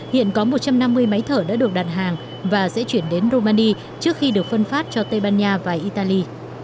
hiện có một trăm năm mươi máy thở đã được đặt hàng và sẽ chuyển đến romani trước khi được phân phát cho tây ban nha và italy